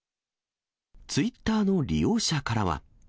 ツイッターの利用者からは。